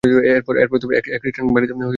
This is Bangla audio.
এরপর এক খ্রিস্টান বাড়িতে বেড়ে ওঠেন।